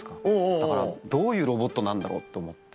だからどういうロボットなんだろう？と思って。